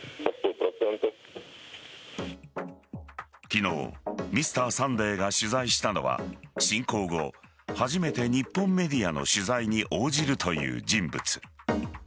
昨日、「Ｍｒ．サンデー」が取材したのは侵攻後、初めて日本メディアの取材に応じるという人物。